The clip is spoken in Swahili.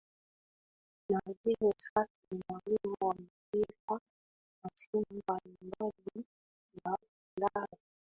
Na hadio sasa ni mwalimu wa mpira wa timu mbalimbali za Ulaya